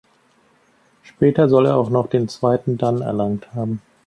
Später soll er auch noch den zweiten Dan erlangt haben.